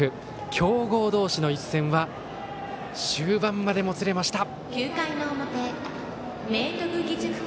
強豪同士の一戦は終盤までもつれました。